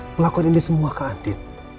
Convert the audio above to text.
melakukan ini semua kak andin